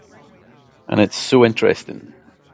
And it’s so interesting.